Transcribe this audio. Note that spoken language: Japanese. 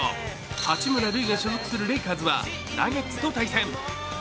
八村塁が所属するレイカーズはナゲッツと対戦。